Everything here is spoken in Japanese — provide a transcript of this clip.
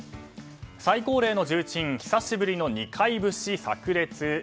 最高齢の重鎮久しぶりの二階節炸裂。